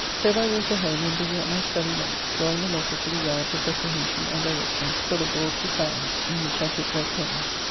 So by water home, and busy at my study late, drawing a letter to the yards of reprehension and direction for the board to sign, in which I took great pains.